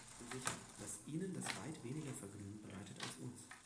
Ich bin sicher, dass Ihnen das weit weniger Vergnügen bereitet als uns.